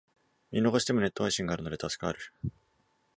見逃してもネット配信があるので助かる